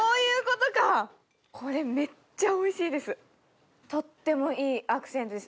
これめっちゃおいしいですとってもいいアクセントです。